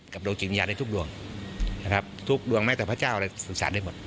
กับโดยจินยาได้ทุกดวงทุกดวงไม่แต่พระเจ้าอะไรสื่อสารได้หมด